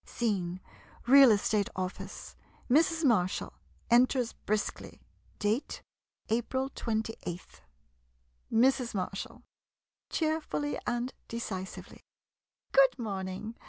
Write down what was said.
ii Scene — Real Estate Office. Mrs. Marshall enters briskly. Date April 28th. Mrs. Marshall [Cheerfully and decisively.] Good morn ing.